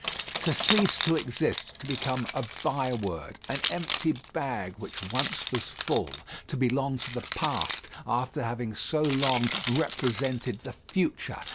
To cease to exist, to become a bye word, an empty bag which once was full. To belong to the past, after having so long represented the future.